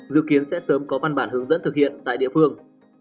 dự kiến sẽ sớm có văn bản hướng dẫn thực hiện tại địa phương